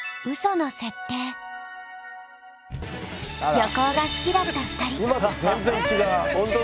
旅行が好きだった２人。